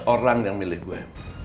sembilan belas orang yang milih gue